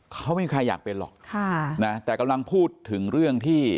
เขาไม่มีใครอยากเป็นหรอกค่ะนะแต่กำลังพูดถึงเรื่องที่